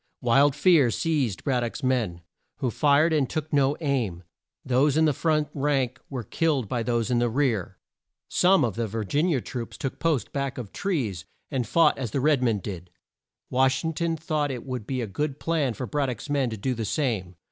Wild fear seized Brad dock's men, who fired and took no aim. Those in the front rank were killed by those in the rear. Some of the Vir gin i a troops took post back of trees, and fought as the red men did. Wash ing ton thought it would be a good plan for Brad dock's men to do the same.